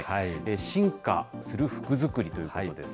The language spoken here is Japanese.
進化する服づくりということです。